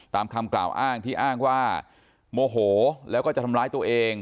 ตามคำกล่าวอ้างที่อ้างว่าโมโหแล้วก็จะทำร้ายตัวเอง